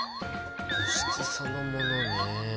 物質そのものね。